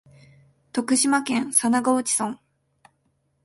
徳島県佐那河内村